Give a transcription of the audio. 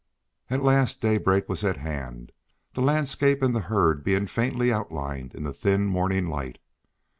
At last daybreak was at hand, the landscape and the herd being faintly outlined in the thin morning light.